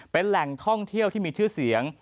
เป็นแหล่งท่องเที่ยวที่มีชื่อเสียง